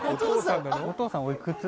お父さん！